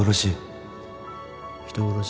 人殺し。